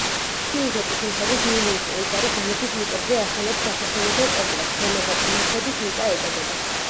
სიუჟეტის მიხედვით, იულიუს კეისარი გალების მიწებზე აშენებს დასასვენებელ კომპლექსს, რომელსაც „ღმერთების მიწა“ ეწოდება.